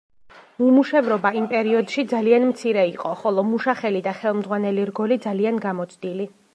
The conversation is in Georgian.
უმუშევრობა იმ პერიოდში ძალიან მცირე იყო, ხოლო მუშახელი და ხელმძღვანელი რგოლი ძალიან გამოცდილი.